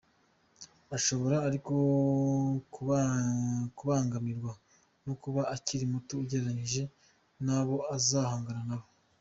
Ashobora ariko kubangamirwa no kuba akiri muto, ugereranyije n’abo azahangana nabo.